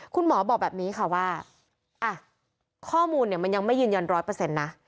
คุณหมอบอกแบบนี้ค่ะว่าข้อมูลเนี่ยมันยังไม่ยืนยันร้อยเปอร์เซ็นต์นะ